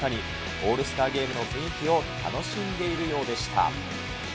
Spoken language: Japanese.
オールスターゲームの雰囲気を楽しんでいるようでした。